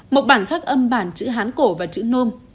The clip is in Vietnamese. mộc bản khắc âm bản chữ hán cổ và chủ nhật